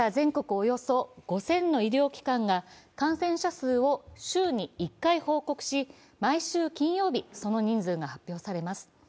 およそ５０００の医療機関が感染者数を週に１回報告し、毎週金曜日、その人数が発表されます。